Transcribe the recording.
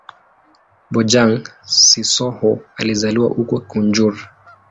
Bojang-Sissoho alizaliwa huko Gunjur.